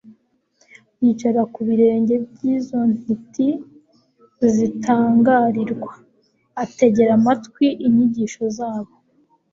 Yicara ku birenge by'izo ntiti zitangarirwa, Ategera amatwi inyigisho zabo.